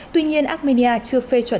tuy nhiên armenia chưa phê chuẩn